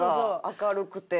明るくて。